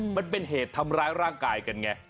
มันเป็นเหตุทำร้ายร่างกายกันไง